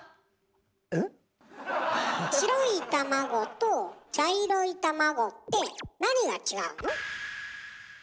白い卵と茶色い卵ってなにが違うの？